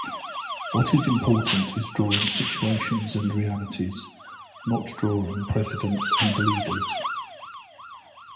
What is important is drawing situations and realities, not drawing presidents and leaders.